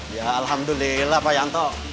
ya alhamdulillah pak yanto